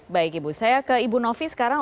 baik ibu saya ke ibu novi sekarang